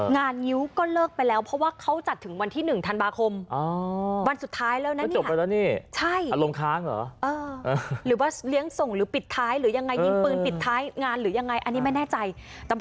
งิ้วก็เลิกไปแล้วเพราะว่าเขาจัดถึงวันที่๑ธันวาคม